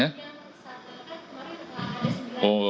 yang satu kemarin pak